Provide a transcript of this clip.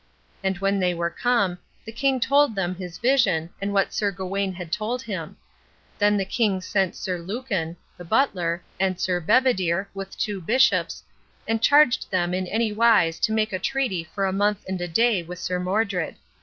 And when they were come, the king told them his vision, and what Sir Gawain had told him. Then the king sent Sir Lucan, the butler, and Sir Bedivere, with two bishops, and charged them in any wise to take a treaty for a month and a day with Sir Modred.